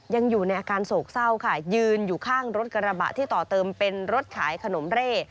ยังอยู่ในอาการโศกเศร้าค่ะยืนอยู่ข้างรถกระบะที่ต่อเติมเป็นรถขายขนมเร่